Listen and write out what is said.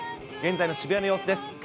現在の渋谷の様子です。